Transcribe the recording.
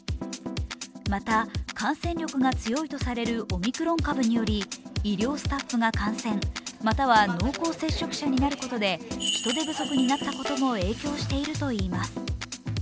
また、感染力が強いとされるオミクロン株により医療スタッフが感染、または濃厚接触者になることで人手不足になったことも影響しているといいます。